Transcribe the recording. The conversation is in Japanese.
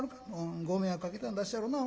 ご迷惑かけたんだっしゃろなほんまに。